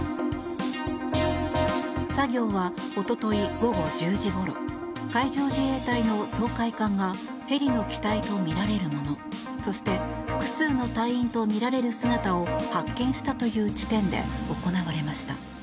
作業は、一昨日午後１０時ごろ海上自衛隊の掃海艦がヘリの機体とみられるものそして複数の隊員とみられる姿を発見したという地点で行われました。